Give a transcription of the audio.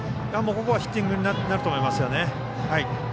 ヒッティングになると思いますね。